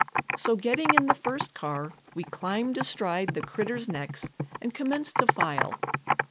So getting in the first car we climbed astride the critters' necks and commenced to file.